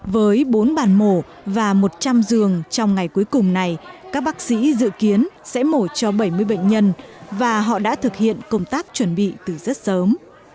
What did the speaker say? với bốn bàn mổ và một trăm linh giường trong ngày cuối cùng này các bác sĩ dự kiến sẽ mổ cho bảy mươi bệnh nhân và họ đã thực hiện công tác chuẩn bị từ rất sớm